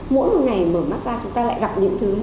mỗi một ngày mở mắt ra chúng ta lại gặp những thứ